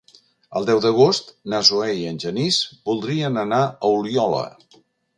El deu d'agost na Zoè i en Genís voldrien anar a Oliola.